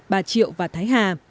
bà triệu và thái hà